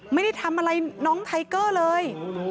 ไม่ได้ทำอะไรน้องไทเกอร์เลย